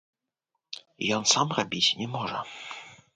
Ён сам рабіць не можа.